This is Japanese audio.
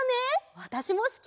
わたしもすき！